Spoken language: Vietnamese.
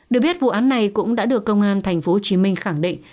được biết vụ án này cũng đã được công an tp hcm khẳng định